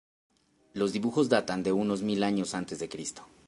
Los dibujos datan de unos mil años antes de Cristo.